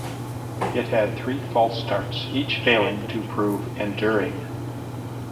It had three false starts, each failing to prove enduring.